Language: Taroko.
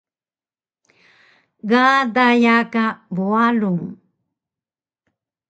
Ga daya ka Buarung